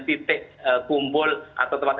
titik kumpul atau tempat